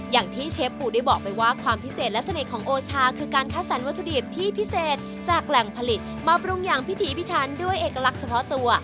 เชฟปู่ได้บอกไปว่าความพิเศษและเสน่ห์ของโอชาคือการคัดสรรวัตถุดิบที่พิเศษจากแหล่งผลิตมาปรุงอย่างพิถีพิถันด้วยเอกลักษณ์เฉพาะตัว